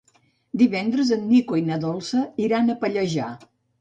Divendres en Nico i na Dolça iran a Pallejà.